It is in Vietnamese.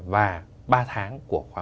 và ba tháng của khóa một mươi ba